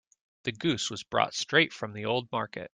The goose was brought straight from the old market.